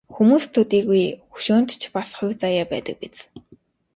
Хүмүүст төдийгүй хөшөөнд ч бас хувь заяа байдаг биз.